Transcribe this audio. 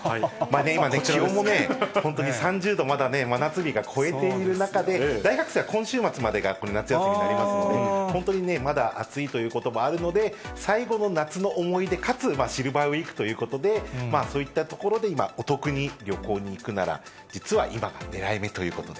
今、気温も３０度、まだ真夏日が超えている中で、大学生は今週末まで夏休みになりますので、本当にね、まだ暑いということもあるので、最後の夏の思い出かつシルバーウィークということで、そういったところで今、お得に旅行に行くなら、実は今が狙い目ということで。